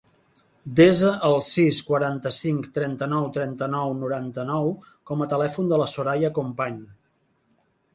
Desa el sis, quaranta-cinc, trenta-nou, trenta-nou, noranta-nou com a telèfon de la Soraya Company.